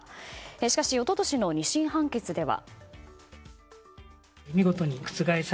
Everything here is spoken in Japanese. しかし、一昨年の２審判決では。